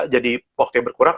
jadi pokoknya berkurang